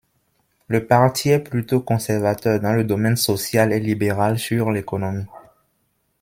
Le parti est plutôt conservateur dans le domaine social et libéral sur l'économie.